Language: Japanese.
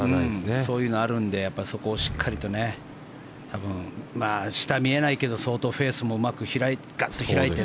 そういうのがあるのでそこをしっかりと多分、下見えないけど相当フェースもガッと開いて